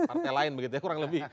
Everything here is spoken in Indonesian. partai lain begitu ya kurang lebih